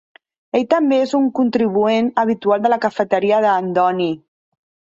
Ell també és un contribuent habitual de la "Cafeteria de Dooney".